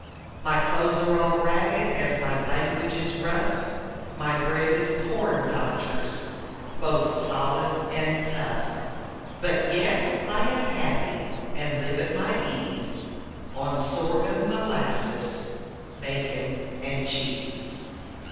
My clothes are all ragged as my language is rough, My bread is corn dodgers, both solid and tough; But yet I am happy, and live at my ease On sorghum molasses, bacon, and cheese.